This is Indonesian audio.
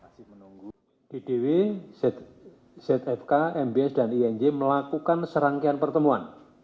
ddw zfk mbs dan iny melakukan serangkaian pertemuan